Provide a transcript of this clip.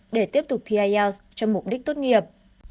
để tiếp tục thi ielts cho mục đích tốt nghiệp